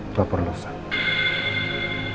gak perlu ustaz